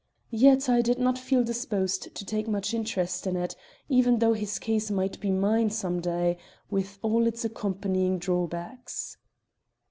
Yet I did not feel disposed to take much interest in it, even though his case might be mine some day, with all its accompanying drawbacks.